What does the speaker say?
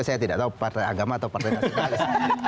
saya tidak tahu partai agama atau partai nasionalis